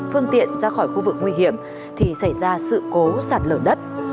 phương tiện ra khỏi khu vực nguy hiểm thì xảy ra sự cố sạt lở đất